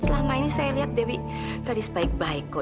selama ini saya lihat dewi tadi sebaik baik kok